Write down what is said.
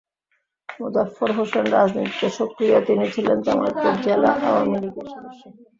মোজাফফর হোসেন রাজনীতিতে সক্রিয় তিনি ছিলেন জামালপুর জেলা আওয়ামী লীগের সদস্য।